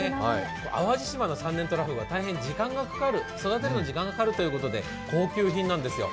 淡路島の３年とらふぐは大変育てるのに時間がかかるということで高級品なんですよ。